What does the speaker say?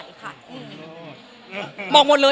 บอกหมดเลยบอกหมดเลย